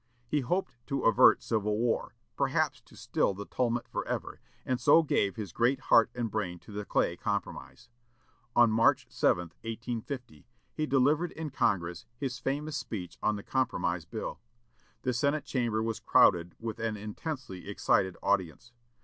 He hoped to avert civil war, perhaps to still the tumult forever, and so gave his great heart and brain to the Clay compromise. On March 7, 1850, he delivered in Congress his famous speech on the Compromise bill. The Senate chamber was crowded with an intensely excited audience.